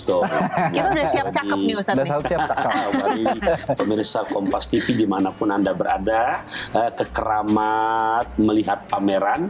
dong siap siap pemirsa kompas tv dimanapun anda berada kekeramat melihat pameran